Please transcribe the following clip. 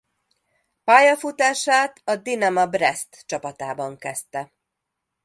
Pályafutását a Dinama Breszt csapatában kezdte.